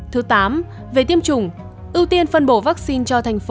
thứ tám về tiêm chủng ưu tiên phân bổ vaccine cho thành phố